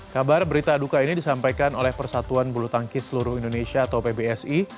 kabar berita duka ini disampaikan oleh persatuan bulu tangkis seluruh indonesia atau pbsi